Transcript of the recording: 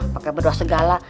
pakai berdoa segala